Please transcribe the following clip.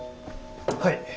はい。